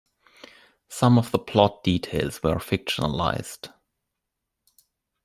Some of the plot details were fictionalized.